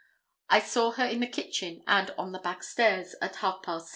I saw her in the kitchen and on the back stairs at half past 6.